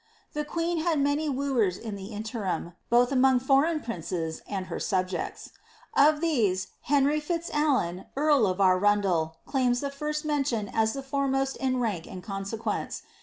The queen had many wooers in the interim, both among foreign princes and her own subjects. Of these, Henry Fitzalan, earl of Arun del, claims the first mention as the foremost in rank and consequence.